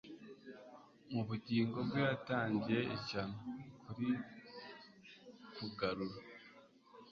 mu bugingo bwe yatangiye, ishyano! kuri kugarura